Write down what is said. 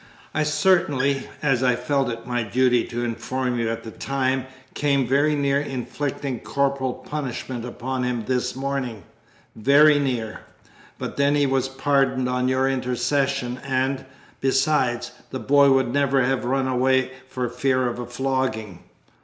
I certainly, as I felt it my duty to inform you at the time, came very near inflicting corporal punishment upon him this morning very near. But then he was pardoned on your intercession; and, besides, the boy would never have run away for fear of a flogging."